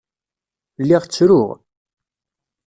Lliɣ ttruɣ.